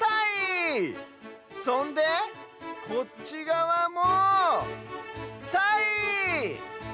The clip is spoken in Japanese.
そんでこっちがわもたい！